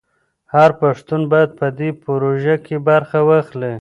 هر پښتون باید په دې پروژه کې برخه واخلي.